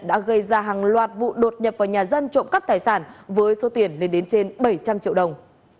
đã gây ra hàng loạt vụ đột nhập vào nhà dân trộm cắp tài sản với số tiền lên đến trên bảy trăm linh triệu đồng